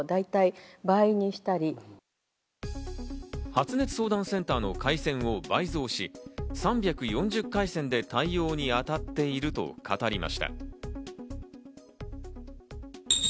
発熱相談センターの回線を倍増し、３４０回線で対応に当たっていると語りました。